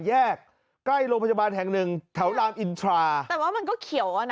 แยกใกล้โรงพยาบาลแห่งหนึ่งแถวรามอินทราแต่ว่ามันก็เขียวอ่ะนะ